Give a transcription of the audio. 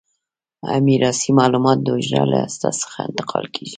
میراثي معلومات د حجره له هسته څخه انتقال کیږي.